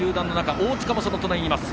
大塚も隣にいます。